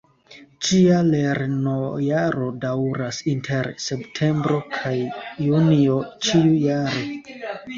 Ĝia lernojaro daŭras inter Septembro kaj Junio ĉiujare.